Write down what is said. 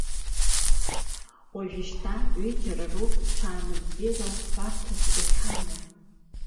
Уажәшьҭа ҩџьара роуп ҽаанбзиала ҳәарҭас иахьрымоу.